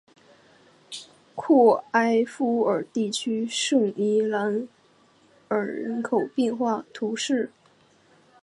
沃埃夫尔地区圣伊莱尔人口变化图示